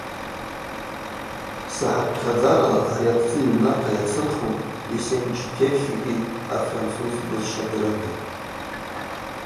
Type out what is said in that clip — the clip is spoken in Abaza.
Сахӏатпхьадзарала ари атдзы йыгӏвната йацынхун Эсенч Тевфики афранцуз бызшвадырыгӏви.